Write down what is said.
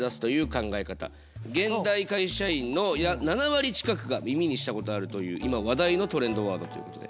現代会社員の７割近くが耳にしたことあるという今話題のトレンドワードということで。